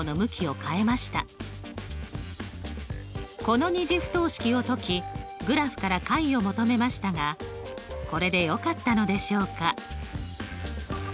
この２次不等式を解きグラフから解を求めましたがこれでよかったのでしょうか？